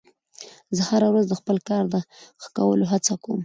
زه هره ورځ د خپل کار د ښه کولو هڅه کوم